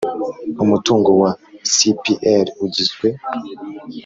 Umutungo wa C P R ugizwe